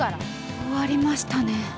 終わりましたね。